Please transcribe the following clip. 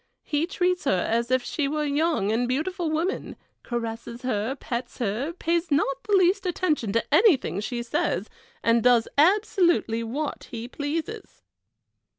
He treats her as if she were a young and beautiful woman, caresses her, pets her, pays not the least attention to anything she says, and does absolutely what he pleases!"